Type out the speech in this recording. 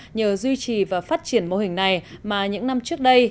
nhờ duy trì và phát triển mô hình này mà những năm trước đây